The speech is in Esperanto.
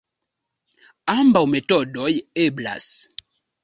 Ambaŭ metodoj eblas.